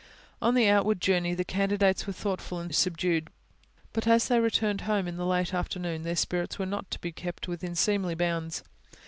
On the outward journey the candidates were thoughtful and subdued; but as they returned home, in the late afternoon, their spirits were not to be kept within seemly bounds.